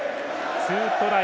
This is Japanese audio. ２トライ